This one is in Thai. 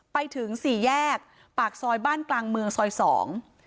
ไปถึงสี่แยกปากซอยบ้านกลางเมืองซอยสอง